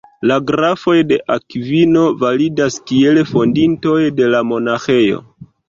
La grafoj de Akvino validas kiel fondintoj de la monaĥejo.